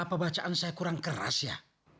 apa bacaan saya kurang keras ya